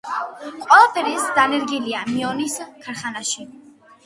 ყველაფერი ეს დანერგილია „მიონის“ ქარხანაში.